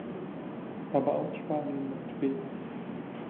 Aber auch Spanien macht Fehler.